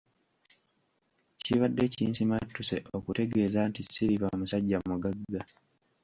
Kibadde kinsimattuse okukutegeeza nti Silver musajja mugagga.